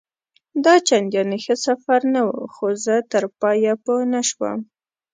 دا چنداني ښه سفر نه وو، خو زه تر پایه پوه نه شوم.